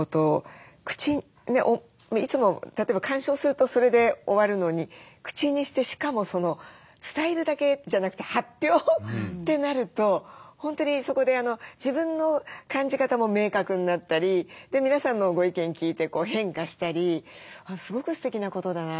いつも例えば鑑賞するとそれで終わるのに口にしてしかも伝えるだけじゃなくて発表ってなると本当にそこで自分の感じ方も明確になったり皆さんのご意見聞いて変化したりすごくすてきなことだなと。